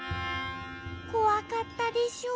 こわかったでしょう。